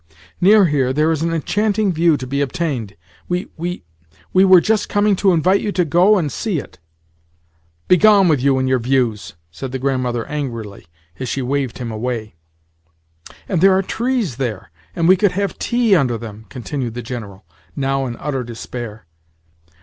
Near here there is an enchanting view to be obtained. We we we were just coming to invite you to go and see it." "Begone with you and your views!" said the Grandmother angrily as she waved him away. "And there are trees there, and we could have tea under them," continued the General—now in utter despair.